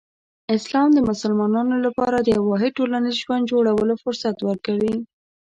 اسلام د مسلمانانو لپاره د یو واحد ټولنیز ژوند جوړولو فرصت ورکوي.